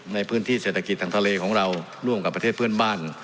ในพื้นที่เศรษฐกิจทางทะเลของเราร่วมกับประเทศเพื่อนบ้าน